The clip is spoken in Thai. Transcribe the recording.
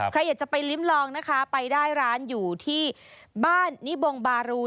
ใครอยากจะไปลิ้มลองนะคะไปได้ร้านอยู่ที่บ้านนิบงบารู